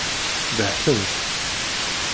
Beḥten-t.